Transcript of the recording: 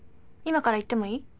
今から行ってもいい？